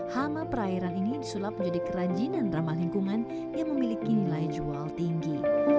hama perairan ini disulap menjadi kerajinan ramah lingkungan yang memiliki nilai jual tinggi